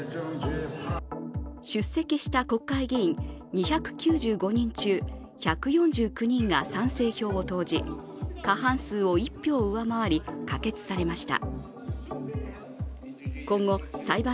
出席した国会議員２９５人中１４９人が賛成票を投じ過半数を１票上回り、可決されました。